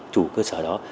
chủ cơ sở đó